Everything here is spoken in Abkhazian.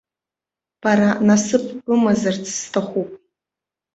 Бара насыԥ бымазарц сҭахуп.